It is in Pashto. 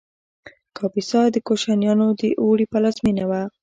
کاپیسا د کوشانیانو د اوړي پلازمینه وه